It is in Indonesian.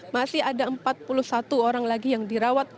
masih ada empat puluh satu orang lagi yang dirawat